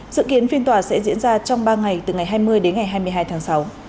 dự kiến phiên tòa sẽ diễn ra trong ba ngày từ ngày hai mươi đến ngày hai mươi hai tháng sáu